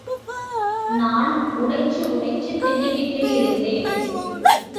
நான் உடைச்சு உடைச்சுத் தின்னுக்கிட்டேயிருந்தேன்.